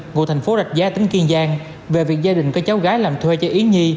ngụ thành phố rạch giá tỉnh kiên giang về việc gia đình có cháu gái làm thuê cho yến nhi